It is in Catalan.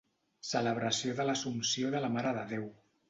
Celebració de l'Assumpció de la Mare de Déu.